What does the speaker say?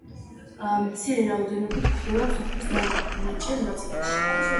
მცირე რაოდენობით გვხვდებიან მსოფლიოს დანარჩენ ნაწილებში.